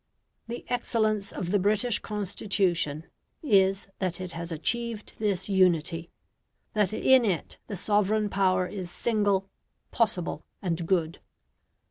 The excellence of the British Constitution is that it has achieved this unity; that in it the sovereign power is single, possible, and good.